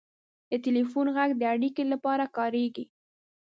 • د ټلیفون ږغ د اړیکې لپاره کارېږي.